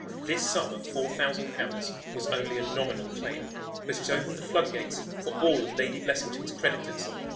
This sum of four thousand pounds was only a nominal claim, but it opened the flood gates for all of Lady Blessington's creditors.